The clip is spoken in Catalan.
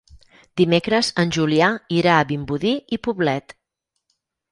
Dimecres en Julià irà a Vimbodí i Poblet.